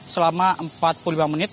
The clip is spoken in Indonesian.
selama empat puluh lima menit